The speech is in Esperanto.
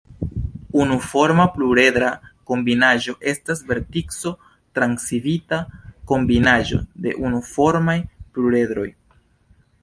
Unuforma pluredra kombinaĵo estas vertico-transitiva kombinaĵo de unuformaj pluredroj.